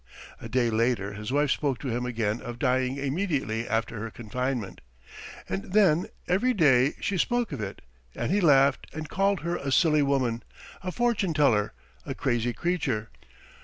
A day later his wife spoke to him again of dying immediately after her confinement, and then every day she spoke of it and he laughed and called her a silly woman, a fortune teller, a crazy creature.